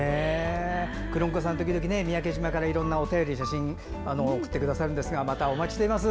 くろんこさん、時々三宅島からお便りや写真送ってくださるんですがまたお待ちしています。